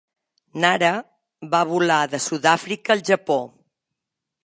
Nara va volar de Sudàfrica al Japó.